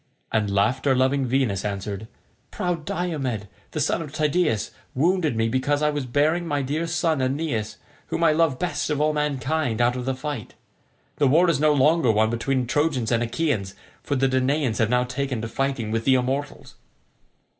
And laughter loving Venus answered, "Proud Diomed, the son of Tydeus, wounded me because I was bearing my dear son Aeneas, whom I love best of all mankind, out of the fight. The war is no longer one between Trojans and Achaeans, for the Danaans have now taken to fighting with the immortals."